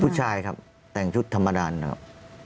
ผู้ชายครับแต่งชุดธรรมดานะครับ